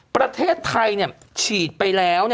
ประเทศไทยฉีดไปแล้ว